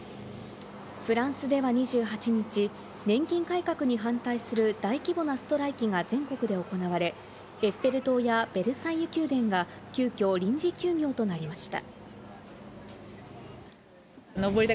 フランスでは２８日、年金改革に反対する大規模なストライキが全国で行われ、エッフェル塔やベルサイユ宮殿が急きょ、臨時休業となりました。